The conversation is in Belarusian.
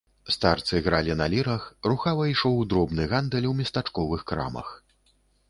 Старцы гралі на лірах, рухава ішоў дробны гандаль у местачковых крамах.